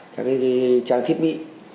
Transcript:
các trang thiết bị